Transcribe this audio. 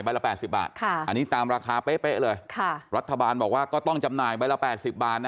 ละ๘๐บาทอันนี้ตามราคาเป๊ะเลยรัฐบาลบอกว่าก็ต้องจำหน่ายใบละ๘๐บาทนะ